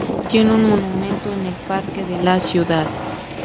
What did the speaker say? Tiene un monumento en el parque de la ciudad.